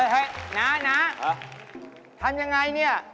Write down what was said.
เฮ่ยหนาทำอย่างไรนี่